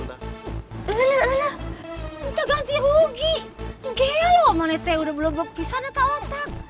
lelah minta ganti rugi gila loh mana teh udah belum bawa pisah ada tak otak